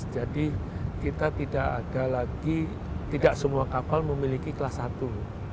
jadi kita tidak ada lagi tidak semua kapal memiliki kelas satu